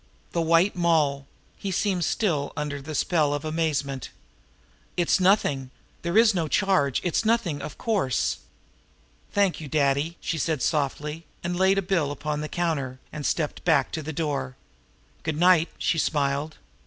"The White Moll!" He seemed still under the spell of amazement. "It is nothing. There is no charge. It is nothing, of course." "Thank you, Daddy!" she said softly and laid a bill upon the counter, and stepped back to the door. "Good night!" she smiled.